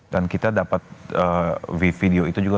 dan kita dapat video itu juga